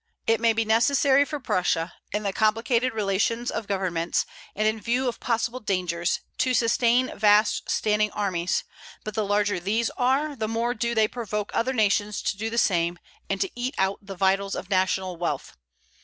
It may be necessary for Prussia, in the complicated relations of governments, and in view of possible dangers, to sustain vast standing armies; but the larger these are, the more do they provoke other nations to do the same, and to eat out the vitals of national wealth.